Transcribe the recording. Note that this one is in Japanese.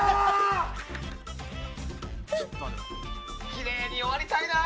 きれいに終わりたいな。